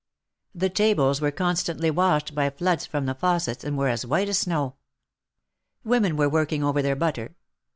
The tables were constantly THE MAKIvETS OF PARIS. 239 washed by floods from the faucets, and were as white as snow. Women were working over their butter.